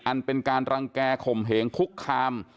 อันเป็นการรังแก่ข่มเหงคุกคาม